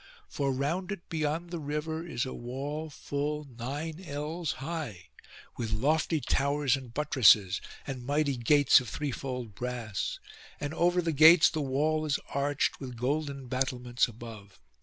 For round it, beyond the river, is a wall full nine ells high, with lofty towers and buttresses, and mighty gates of threefold brass; and over the gates the wall is arched, with golden battlements above.